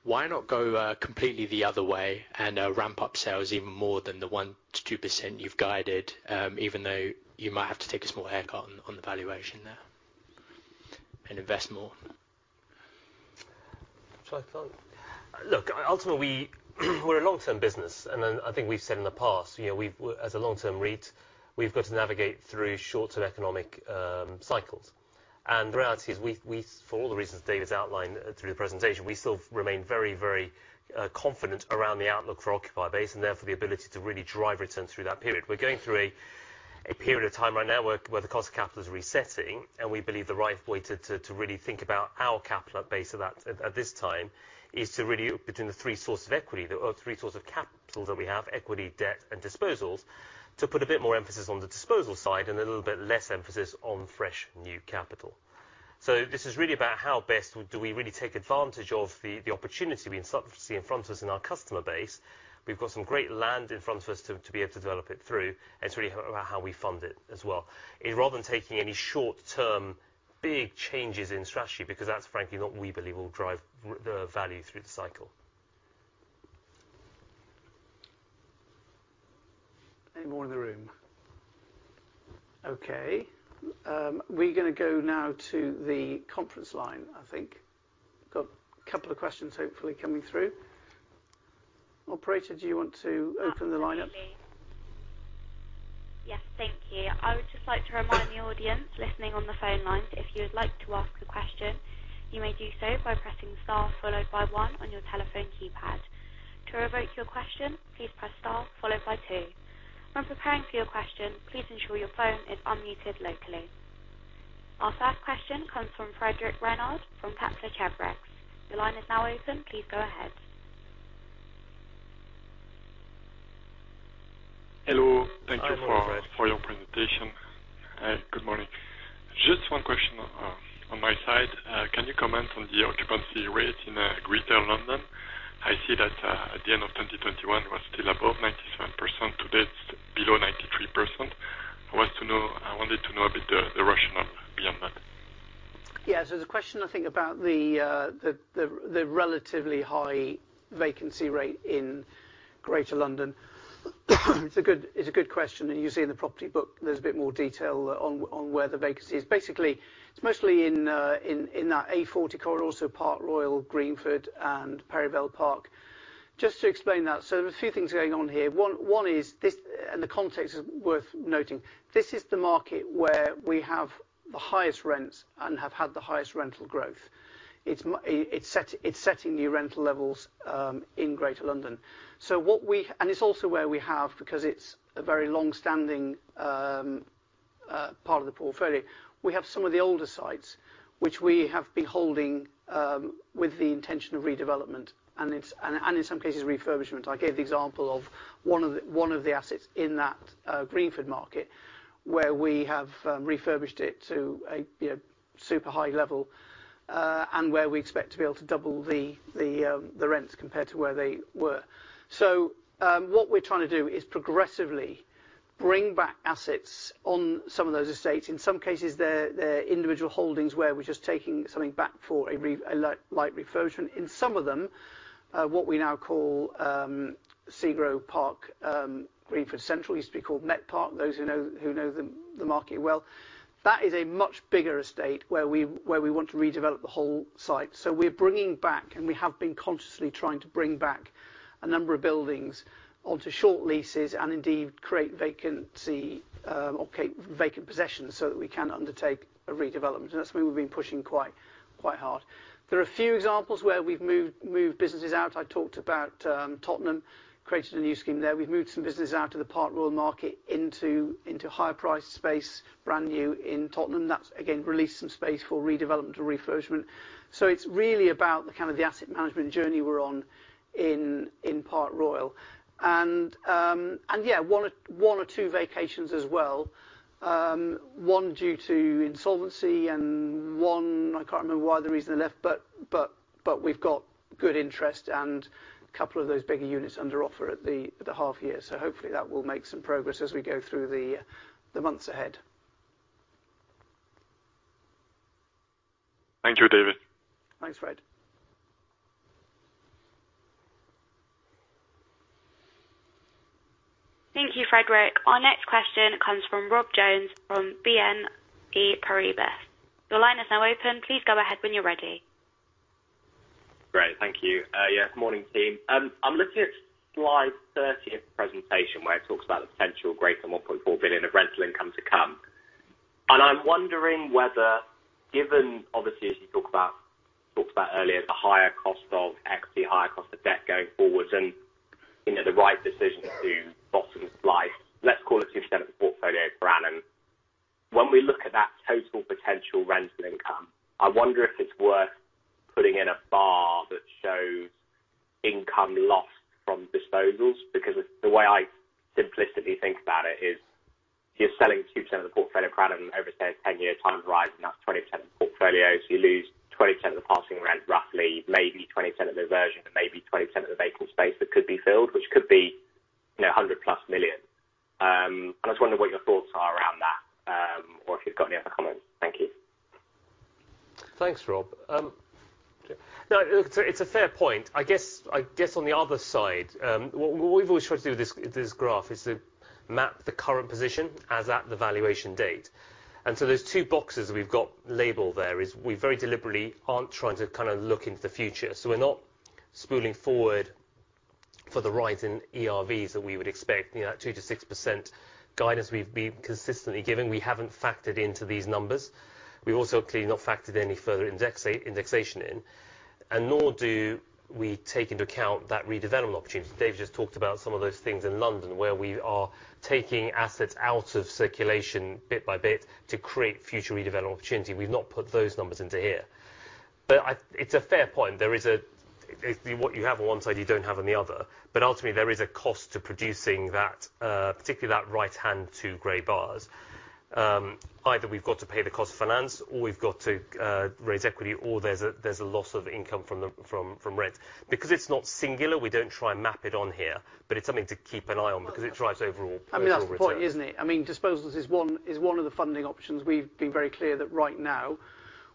why not go completely the other way and ramp up sales even more than the 1%-2% you've guided, even though you might have to take a small haircut on the valuation there and invest more? Look, ultimately, we're a long-term business. I think we've said in the past, you know, as a long-term REIT, we've got to navigate through short-term economic cycles. The reality is, we, for all the reasons David's outlined through the presentation, we still remain very, very confident around the outlook for occupied base, and therefore, the ability to really drive return through that period. We're going through a period of time right now, where the cost of capital is resetting, and we believe the right way to really think about our capital base of that at this time, is to really between the three sources of equity. There are three sources of capital that we have, equity, debt, and disposals, to put a bit more emphasis on the disposal side and a little bit less emphasis on fresh, new capital. This is really about how best do we really take advantage of the opportunity we start to see in front of us in our customer base. We've got some great land in front of us to be able to develop it through, and it's really about how we fund it as well. Rather than taking any short-term, big changes in strategy, because that's frankly not we believe will drive the value through the cycle. Any more in the room? Okay, we're going to go now to the conference line, I think. Got two questions, hopefully coming through. Operator, do you want to open the line up? Absolutely. Yes, thank you. I would just like to remind the audience, listening on the phone line, that if you would like to ask a question, you may do so by pressing star followed by one on your telephone keypad. To revoke your question, please press star followed by two. When preparing for your question, please ensure your phone is unmuted locally. Our first question comes from Frédéric Renard from Kepler Cheuvreux. Your line is now open. Please go ahead. Hello. Hi, Frédéric for your presentation. Good morning. Just one question on my side. Can you comment on the occupancy rate in Greater London? I see that at the end of 2021 was still above 97%. Today, it's below 93%. I wanted to know a bit the rationale behind that. Yeah, the question, I think, about the relatively high vacancy rate in Greater London, it's a good question, and you see in the property book, there's a bit more detail on where the vacancy is. Basically, it's mostly in that A40 Corridor, so Park Royal, Greenford, and Perivale Park. Just to explain that, there are a few things going on here. One is this, and the context is worth noting, this is the market where we have the highest rents and have had the highest rental growth. It's setting new rental levels in Greater London. It's also where we have, because it's a very long-standing part of the portfolio. We have some of the older sites, which we have been holding, with the intention of redevelopment, and in some cases, refurbishment. I gave the example of one of the assets in that Greenford market, where we have refurbished it to a, you know, super high level, and where we expect to be able to double the rents compared to where they were. What we're trying to do is progressively bring back assets on some of those estates. In some cases, they're individual holdings, where we're just taking something back for a light refurbishment. In some of them, what we now call SEGRO Park Greenford Central, used to be called Netpark, those who know the market well. That is a much bigger estate where we want to redevelop the whole site. We're bringing back, and we have been consciously trying to bring back a number of buildings onto short leases and indeed create vacancy, or create vacant possessions so that we can undertake a redevelopment. That's where we've been pushing quite hard. There are a few examples where we've moved businesses out. I talked about Tottenham, created a new scheme there. We've moved some businesses out of the Park Royal market into higher priced space, brand new in Tottenham. That's, again, released some space for redevelopment and refurbishment. It's really about the kind of the asset management journey we're on in Park Royal. Yeah, one or two vacations as well. One due to insolvency and one, I can't remember why the reason they left, but we've got good interest and a couple of those bigger units under offer at the, at the half year. Hopefully, that will make some progress as we go through the months ahead. Thank you, David. Thanks, Fred. Thank you, Frédéric. Our next question comes from Rob Jones, from BNP Paribas. Your line is now open. Please go ahead when you're ready. Great. Thank you. Good morning, team. I'm looking at slide 30 of the presentation, where it talks about the potential greater than 1.4 billion of rental income to come. I'm wondering whether, given obviously, as you talked about earlier, the higher cost of equity, higher cost of debt going forward and, you know, the right decision to bottom life, let's call it 2% of the portfolio for now. We look at that total potential rental income, I wonder if it's worth putting in a bar that shows income lost from disposals. The way I simplistically think about it is, you're selling 2% of the portfolio for Adam, over say, a 10-year time horizon, that's 20% of the portfolio. You lose 20% of the passing rent, roughly, maybe 20% of the version, and maybe 20% of the vacant space that could be filled, which could be, you know, 100+ million. I just wonder what your thoughts are around that, or if you've got any other comments. Thank you. Thanks, Rob. Now, look, it's a fair point. I guess on the other side, what we've always tried to do with this graph is to map the current position as at the valuation date. There's two boxes we've got labeled there, is we very deliberately aren't trying to kind of look into the future. We're not spooling forward for the rise in ERVs that we would expect, you know, that 2%-6% guidance we've been consistently giving, we haven't factored into these numbers. We've also clearly not factored any further indexation in. Nor do we take into account that redevelopment opportunity. Dave just talked about some of those things in London, where we are taking assets out of circulation bit by bit to create future redevelopment opportunity. We've not put those numbers into here. It's a fair point. There is what you have on one side, you don't have on the other. Ultimately, there is a cost to producing that, particularly that right-hand 2 gray bars. Either we've got to pay the cost of finance, or we've got to raise equity, or there's a loss of income from the rent. It's not singular, we don't try and map it on here, but it's something to keep an eye on because it drives overall- I mean, that's the point, isn't it? I mean disposals is one, is one of the funding options. We've been very clear that right now,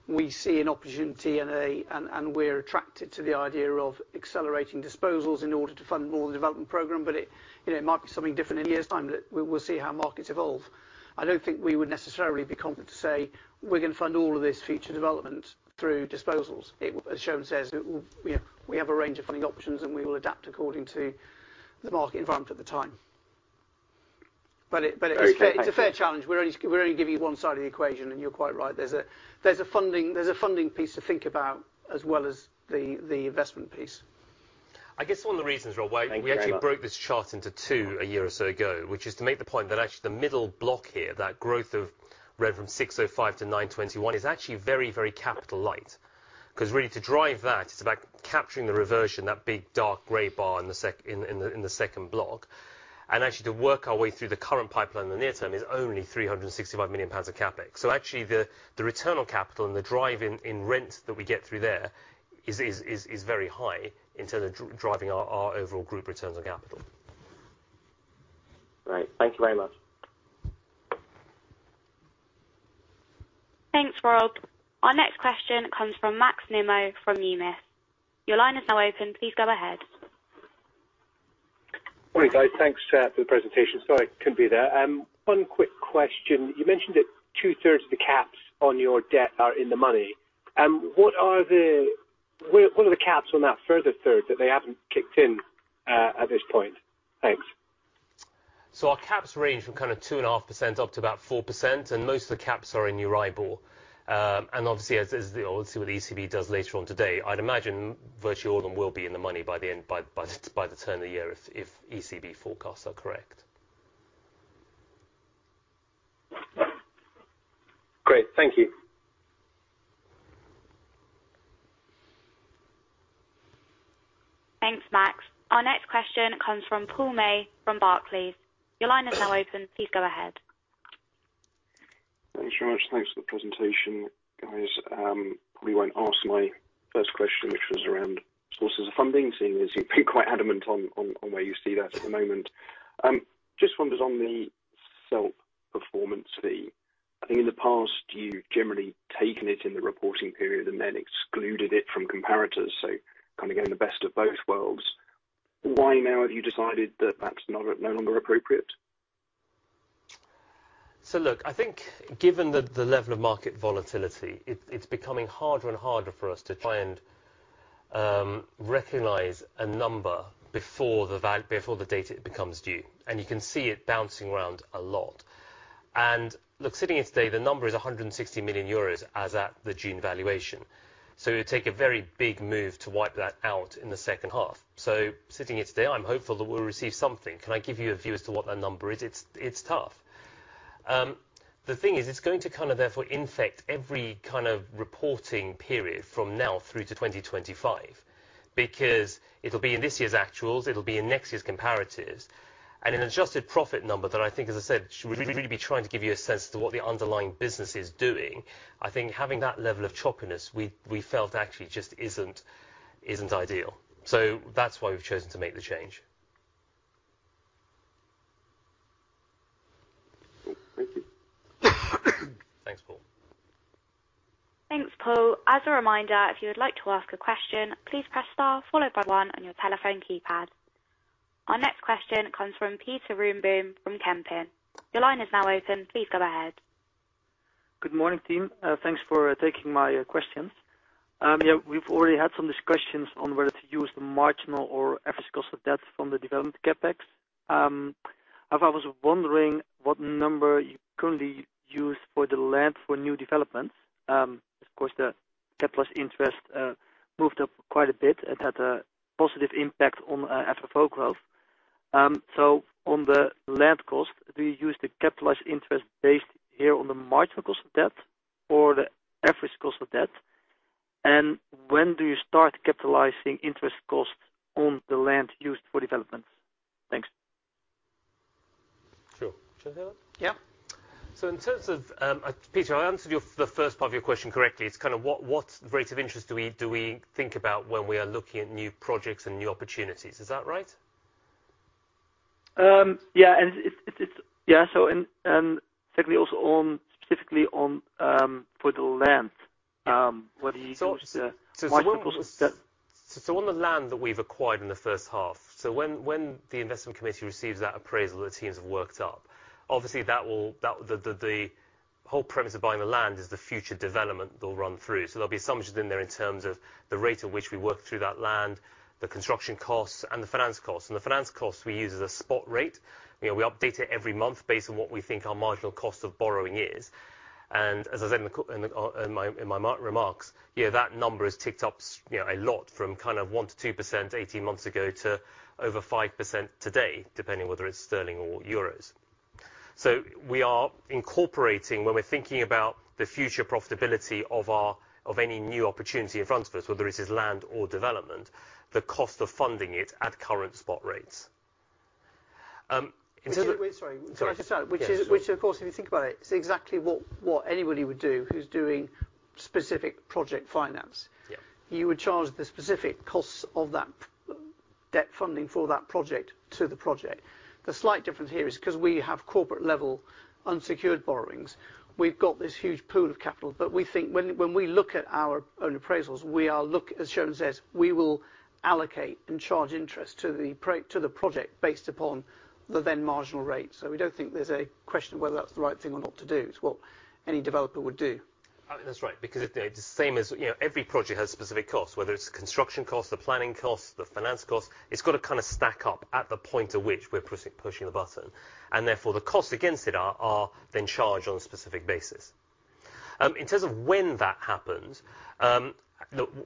we see an opportunity and we're attracted to the idea of accelerating disposals in order to fund more of the development program. It, you know, it might be something different in a year's time, that we'll see how markets evolve. I don't think we would necessarily be confident to say we're going to fund all of this future development through disposals. As Soumen says, it will, you know, we have a range of funding options, and we will adapt according to the market environment at the time. It's a fair challenge. We're only giving you one side of the equation, and you're quite right. There's a funding piece to think about as well as the investment piece. I guess one of the reasons, Rob, why- Thank you very much. We actually broke this chart into two a year or so ago, which is to make the point that actually the middle block here, that growth of rent from 605 to 921, is actually very, very capital light. Really, to drive that, it's about capturing the reversion, that big, dark gray bar in the second block. Actually, to work our way through the current pipeline in the near term is only 365 million pounds of CapEx. Actually, the return on capital and the drive in rent that we get through there is very high in terms of driving our overall group returns on capital. Great. Thank you very much. Thanks, Rob. Our next question comes from Max Nimmo, from Numis. Your line is now open. Please go ahead. Morning, guys. Thanks for the presentation. Sorry I couldn't be there. One quick question. You mentioned that two-thirds of the caps on your debt are in the money. What are the caps on that further third, that they haven't kicked in at this point? Thanks. Our caps range from kind of 2.5% up to about 4%, and most of the caps are in Euribor. Obviously, as we'll see what the ECB does later on today, I'd imagine Virtual Global will be in the money by the end, by the turn of the year, if ECB forecasts are correct. Great. Thank you. Thanks, Max. Our next question comes from Paul May, from Barclays. Your line is now open. Please go ahead. Thanks very much. Thanks for the presentation, guys. Probably won't ask my first question, which was around sources of funding, seeing as you've been quite adamant on where you see that at the moment. Just wondered on the self-performance fee. I think in the past, you've generally taken it in the reporting period and then excluded it from comparators, so kind of getting the best of both worlds. Why now have you decided that that's no longer appropriate? Look, I think given the level of market volatility, it's becoming harder and harder for us to try and recognize a number before the date it becomes due, and you can see it bouncing around a lot. Look, sitting here today, the number is 160 million euros, as at the June valuation. It'd take a very big move to wipe that out in the second half. Sitting here today, I'm hopeful that we'll receive something. Can I give you a view as to what that number is? It's, it's tough. The thing is, it's going to kind of therefore infect every kind of reporting period from now through to 2025, because it'll be in this year's actuals, it'll be in next year's comparatives. An adjusted profit number that I think, as I said, we'd really be trying to give you a sense to what the underlying business is doing, I think having that level of choppiness, we felt actually just isn't ideal. That's why we've chosen to make the change. Thank you. Thanks, Paul. Thanks, Paul. As a reminder, if you would like to ask a question, please press star followed by one on your telephone keypad. Our next question comes from Peter Rümke, from Kempen. Your line is now open. Please go ahead. Good morning, team. Thanks for taking my questions. We've already had some discussions on whether to use the marginal or average cost of debt from the development CapEx. I was wondering what number you currently use for the land for new developments. Of course, the capitalized interest moved up quite a bit and had a positive impact on FFO growth. On the land cost, do you use the capitalized interest based here on the marginal cost of debt or the average cost of debt? When do you start capitalizing interest costs on the land used for developments? Thanks. Sure. Do you want to handle it? Yeah. In terms of, Peter, I answered the first part of your question correctly. It's kind of what rate of interest do we think about when we are looking at new projects and new opportunities? Is that right? Yeah, it's... Secondly, also on, specifically on, for the land, whether you can use. So, so on the- Marginal cost of debt. On the land that we've acquired in the first half, when the investment committee receives that appraisal the teams have worked up, obviously the whole premise of buying the land is the future development they'll run through. There'll be assumptions in there in terms of the rate at which we work through that land, the construction costs, and the finance costs. The finance costs we use as a spot rate. You know, we update it every month based on what we think our marginal cost of borrowing is. As I said in my remarks, yeah, that number has ticked up, you know, a lot from kind of 1%-2% 18 months ago to over 5% today, depending on whether it's sterling or euros. We are incorporating, when we're thinking about the future profitability of our, of any new opportunity in front of us, whether it is land or development, the cost of funding it at current spot rates. Wait, sorry. Sorry. [inaudible] Can I just add? Yeah, sure. [inaudible] Which of course, if you think about it's exactly what anybody would do who's doing specific project finance. Yeah. You would charge the specific costs of that debt funding for that project to the project. The slight difference here is 'cause we have corporate level unsecured borrowings, we've got this huge pool of capital. We think when we look at our own appraisals, we are, as Sherman says, "We will allocate and charge interest to the project based upon the then marginal rate." We don't think there's a question of whether that's the right thing or not to do. It's what any developer would do. That's right, because it, the same as, you know, every project has specific costs, whether it's construction costs, the planning costs, the finance costs, it's gotta kind of stack up at the point at which we're pushing the button, and therefore, the costs against it are then charged on a specific basis. In terms of when that happens, look,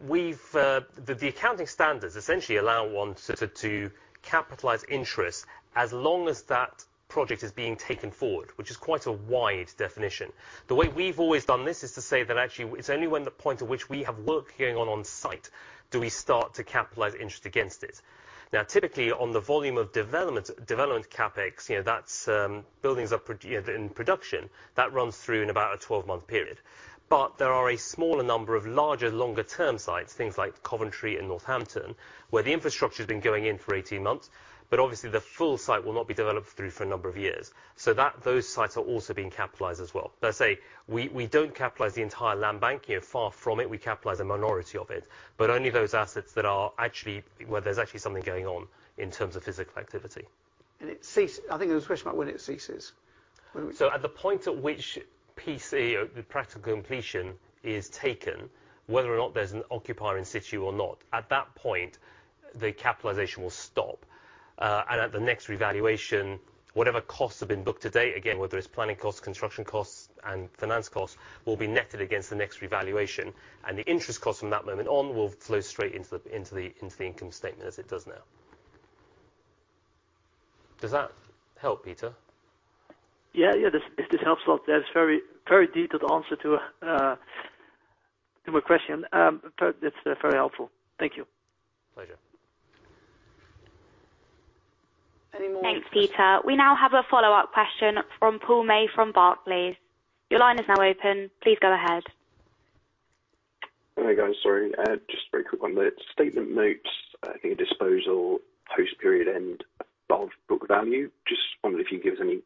we've, the accounting standards essentially allow one to capitalize interest as long as that project is being taken forward, which is quite a wide definition. The way we've always done this, is to say that actually, it's only when the point at which we have work going on on site, do we start to capitalize interest against it. Typically, on the volume of development CapEx, you know, that's, buildings are, you know, in production, that runs through in about a 12-month period. There are a smaller number of larger, longer term sites, things like Coventry and Northampton, where the infrastructure's been going in for 18 months, but obviously, the full site will not be developed through for a number of years. Those sites are also being capitalized as well. Let's say, we don't capitalize the entire land banking, and far from it, we capitalize a minority of it, but only those assets that are actually, where there's actually something going on in terms of physical activity. I think there was a question about when it ceases. At the point at which PC, or the practical completion, is taken, whether or not there's an occupier in situ or not, at that point, the capitalization will stop. And at the next revaluation, whatever costs have been booked to date, again, whether it's planning costs, construction costs, and finance costs, will be netted against the next revaluation, and the interest costs from that moment on, will flow straight into the income statement as it does now. Does that help, Peter? Yeah, this helps a lot. That's very, very detailed answer to my question. It's very helpful. Thank you. Pleasure. Any more- Thanks, Peter. We now have a follow-up question from Paul May, from Barclays. Your line is now open. Please go ahead. Hi, guys. Sorry, just very quick one. The statement notes, I think, a disposal post-period end above book value. Just wondering if you'd give us any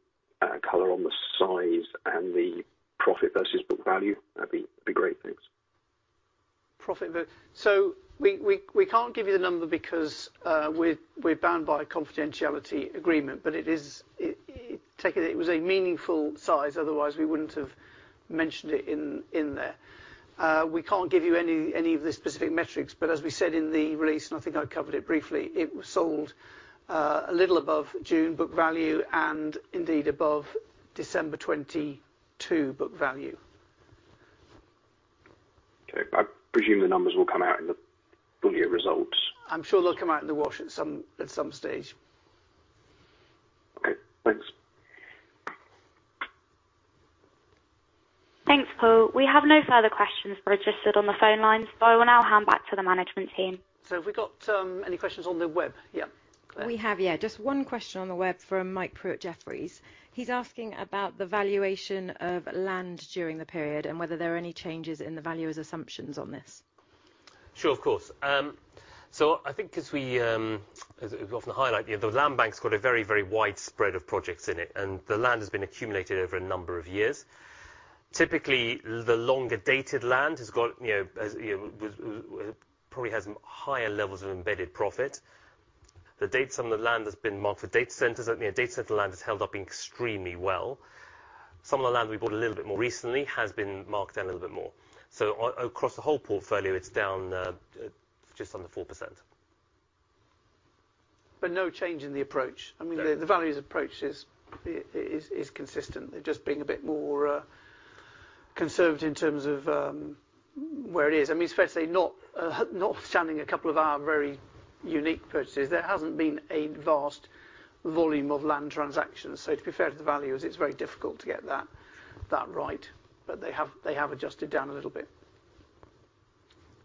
color on the size and the profit versus book value? That'd be great. Thanks. Profit versus. We can't give you the number because we're bound by a confidentiality agreement, but it is, take it was a meaningful size. Otherwise, we wouldn't have mentioned it in there. We can't give you any of the specific metrics, but as we said in the release, and I think I covered it briefly, it was sold a little above June book value and indeed above December 22 book value. Okay. I presume the numbers will come out in the full year results? I'm sure they'll come out in the wash at some, at some stage. Okay, thanks. Thanks, Paul. We have no further questions registered on the phone line, so I will now hand back to the management team. Have we got any questions on the web? Yeah. We have, yeah. Just one question on the web from Mike Prew at Jefferies. He's asking about the valuation of land during the period, and whether there are any changes in the valuer's assumptions on this. Sure, of course. I think as we, as we often highlight, you know, the land bank's got a very, very wide spread of projects in it, and the land has been accumulated over a number of years. Typically, the longer dated land has got, you know, as, you know, probably has higher levels of embedded profit. The dates on the land has been marked for data centers, and, you know, data center land has held up extremely well. Some of the land we bought a little bit more recently has been marked down a little bit more. Across the whole portfolio, it's down just under 4%. No change in the approach? No. I mean, the values approach is consistent. They're just being a bit more conservative in terms of where it is. I mean, fair to say, not not standing a couple of our very unique purchases, there hasn't been a vast volume of land transactions. To be fair to the valuers, it's very difficult to get that right, but they have adjusted down a little bit.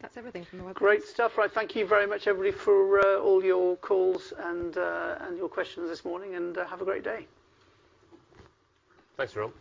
That's everything from the web. Great stuff. Right, thank you very much, everybody, for all your calls and your questions this morning, and have a great day. Thanks, everyone.